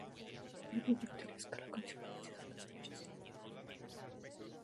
El principal producto de La Escala, con diferencia, son las anchoas saladas.